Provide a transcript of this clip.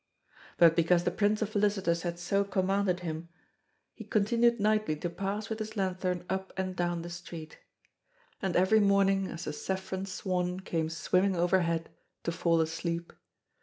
But because the Prince of Felicitas had so commanded him, he continued nightly to pass with his lanthorn up and down the street; and every morning as the saffron swan came swimming overhead, to fall asleep.